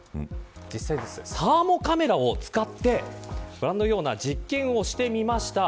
サーモカメラを使ってご覧のような実験をしました。